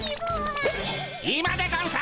今でゴンス！